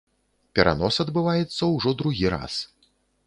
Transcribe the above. Перанос адбываецца ўжо другі раз.